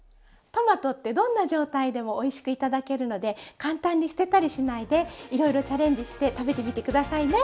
トマトってどんな状態でもおいしく頂けるので簡単に捨てたりしないでいろいろチャレンジして食べてみて下さいね。